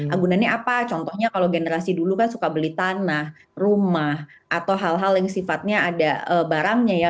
agunannya apa contohnya kalau generasi dulu kan suka beli tanah rumah atau hal hal yang sifatnya ada barangnya ya